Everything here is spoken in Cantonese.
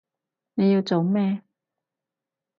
你要做咩？